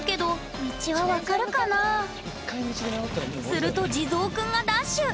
すると地蔵くんがダッシュ！